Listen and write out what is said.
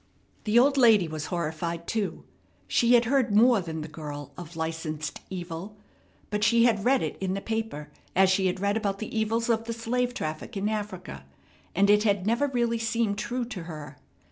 The old lady was horrified, too. She had heard more than the girl of licensed evil; but she had read it in the paper as she had read about the evils of the slave traffic in Africa, and it had never really seemed true to her.